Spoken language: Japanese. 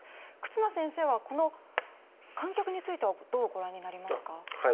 忽那先生は観客についてはどうご覧になりますか。